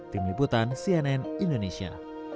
tim liputan cnn indonesia